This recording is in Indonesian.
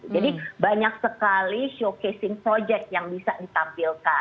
jadi banyak sekali showcasing proyek yang bisa ditampilkan